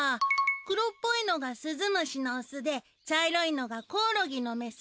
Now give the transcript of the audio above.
黒っぽいのがスズムシのオスで茶色いのがコオロギのメス。